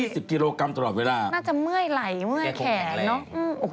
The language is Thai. ใช่น่าจะเมื่อยไหลเมื่อยแขนเนอะอู๋โอ้โห